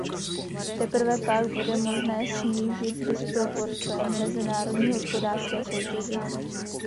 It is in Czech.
Teprve pak bude možné snížit disproporce v mezinárodní hospodářské soutěži.